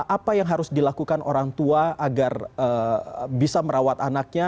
apa yang harus dilakukan orang tua agar bisa merawat anaknya